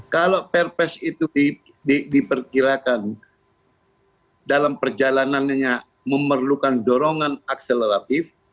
kalau perpres itu diperkirakan dalam perjalanannya memerlukan dorongan akseleratif